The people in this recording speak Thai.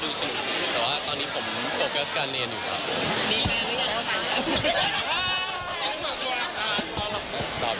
แต่ว่าตอนนี้ผมโฟกัสการเรียนอยู่ครับ